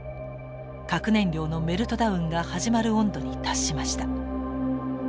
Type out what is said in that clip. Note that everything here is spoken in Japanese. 核燃料のメルトダウンが始まる温度に達しました。